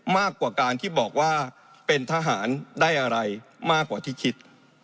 มากกว่าการที่บอกว่าเป็นทหารได้อะไรมากกว่าที่คิด